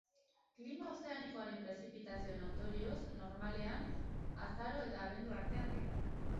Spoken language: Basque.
Klima ozeanikoaren prezipitazioen ondorioz normalean azaro eta abendu artean dira.